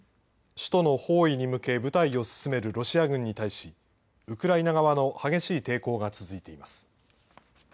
首都の包囲に向け、部隊を進めるロシア軍に対し、ウクライナ側の激しい抵抗が続いています。